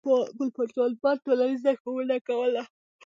ګل پاچا الفت ټولنیزه ښوونه کوله.